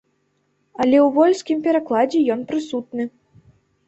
Але ў польскім перакладзе ён прысутны.